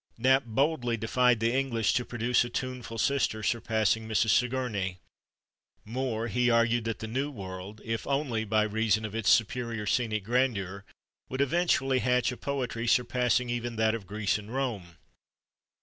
Knapp boldly defied the English to produce a "tuneful sister" surpassing Mrs. Sigourney; more, he argued that the New World, if only by reason of its superior scenic grandeur, would eventually hatch a poetry surpassing even that of Greece and Rome.